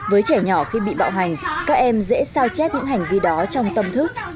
với trẻ nhỏ khi bị bạo hành các em dễ sao chép những hành vi đó trong tâm thức